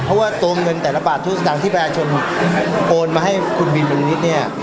เพราะว่าตรงเงินแต่ละบาททุกสตางค์ที่แปลชนโอนมาให้คุณบินเป็นนิดนิดเนี้ย